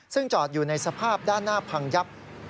ซึ่งจอดอยู่ในสภาพด้านหน้าพังยับ